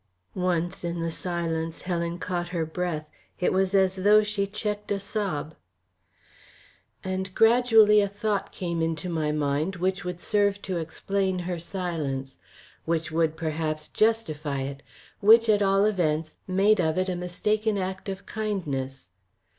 Once in the silence Helen caught her breath; it was as though she checked a sob; and gradually a thought came into my mind which would serve to explain her silence which would, perhaps, justify it which, at all events, made of it a mistaken act of kindness.